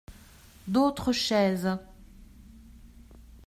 D’autres chaises.